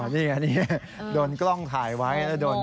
อ๋อนี่โดนกล้องถ่ายไว้